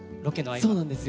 そうなんですよ。